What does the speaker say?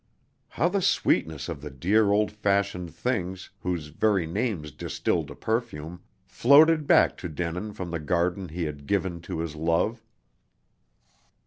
How the sweetness of the dear old fashioned things, whose very names distilled a perfume, floated back to Denin from the garden he had given to his love!